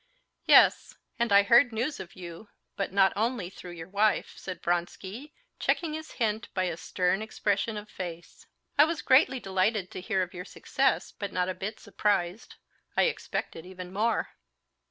"Yes; and I heard news of you, but not only through your wife," said Vronsky, checking his hint by a stern expression of face. "I was greatly delighted to hear of your success, but not a bit surprised. I expected even more."